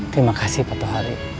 terima kasih patuh hari